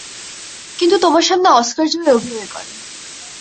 কিন্তু তোমার সামনে অস্কার জয়ি অভিনয় করে!